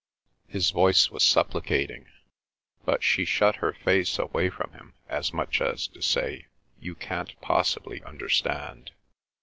His voice was supplicating. But she shut her face away from him, as much as to say, "You can't possibly understand."